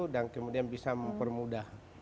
dan kemudian bisa mempermudah